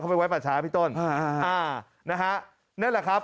เขาไปไว้ปัชฌาพี่ต้นนะฮะนั่นแหละครับ